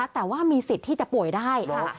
แต่ว่ามีสิทธิ์ที่จะป่วยได้ค่ะ